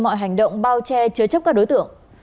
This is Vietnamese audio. mọi hành động bao che chứa chấp các đối tượng